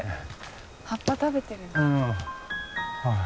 葉っぱ食べてるんだ。